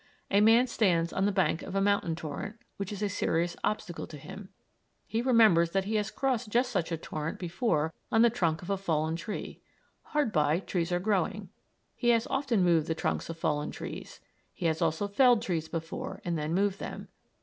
A man stands on the bank of a mountain torrent, which is a serious obstacle to him. He remembers that he has crossed just such a torrent before on the trunk of a fallen tree. Hard by trees are growing. He has often moved the trunks of fallen trees. He has also felled trees before, and then moved them.